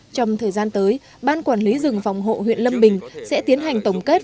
trong thời gian tới ban quản lý rừng phòng hộ huyện lâm bình sẽ tiến hành tổng kết